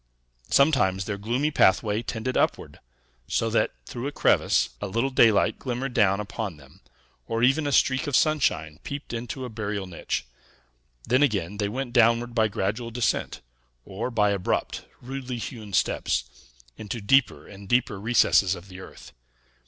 Sometimes their gloomy pathway tended upward, so that, through a crevice, a little daylight glimmered down upon them, or even a streak of sunshine peeped into a burial niche; then again, they went downward by gradual descent, or by abrupt, rudely hewn steps, into deeper and deeper recesses of the earth.